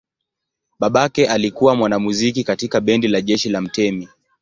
Babake alikuwa mwanamuziki katika bendi la jeshi la mtemi.